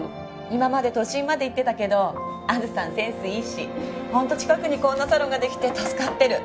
今まで都心まで行ってたけど杏寿さんセンスいいし本当近くにこんなサロンが出来て助かってる。